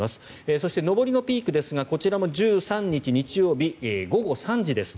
そして、上りのピークですがこちらも１３日日曜日午後３時です。